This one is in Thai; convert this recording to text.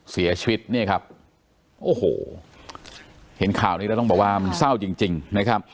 เสียชีวิตเนี่ยครับโอ้โหเห็นข่าวนี้แล้วต้องบอกว่ามันเศร้าจริงจริงนะครับ